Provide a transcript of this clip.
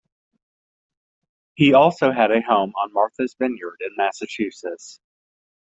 He also had a home on Martha's Vineyard in Massachusetts.